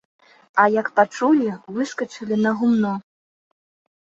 А як пачулі, выскачылі на гумно.